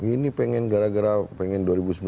ini pengen gara gara pengen